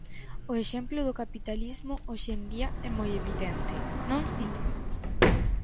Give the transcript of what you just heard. O exemplo do capitalismo hoxe en día é moi evidente, non si?